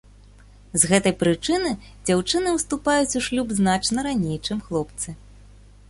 З гэтай прычыны дзяўчыны ўступаюць у шлюб значна раней, чым хлопцы.